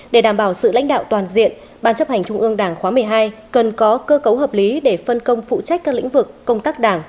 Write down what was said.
để đảm bảo sự lãnh đạo toàn diện ban chấp hành trung ương đảng khóa một mươi hai cần có cơ cấu hợp lý để phân công phụ trách các lĩnh vực công tác đảng